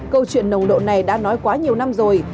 câu chuyện nồng độ này đã nói quá nhiều năm rồi